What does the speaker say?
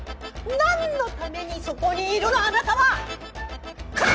何のためにそこにいるのあなたは！